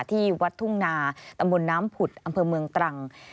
ที่วัดทุ่งนาตำบลน้ำผุดอำเภอเมืองตรัง